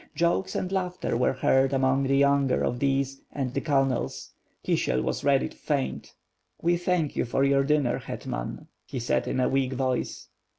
Jokes and laughter were heard among the younger of these and the colonels. Kisiel was ready to faint. "We thank you for your dinner, Hetman," he said in a weak voice.